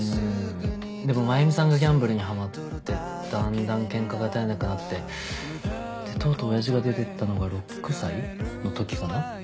でも真弓さんがギャンブルにハマってだんだんけんかが絶えなくなってでとうとうおやじが出てったのが６歳のときかな。